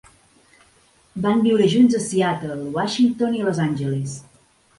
Van viure junts a Seattle, Washington i Los Angeles.